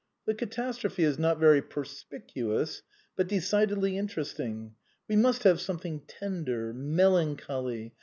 The catastrophe is not very perspicuous, but decidedly interesting. We must have something tender, melancholy.